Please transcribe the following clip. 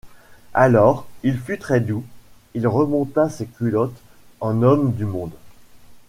Alors, il fut très doux ; il remonta ses culottes, en homme du monde.